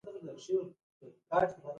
پیلوټ د مینې، زړورت